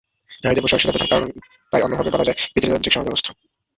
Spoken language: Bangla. নারীদের ওপর সহিংসতার প্রধান কারণ তাই অন্যভাবে বলা যায় পিতৃতান্ত্রিক সমাজব্যবস্থা।